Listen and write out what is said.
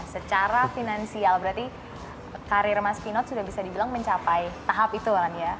secara finansial berarti karir mas pinot sudah bisa dibilang mencapai tahap itu kan ya